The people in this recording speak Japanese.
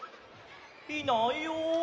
いないよ。